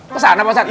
ke sana pak ustadz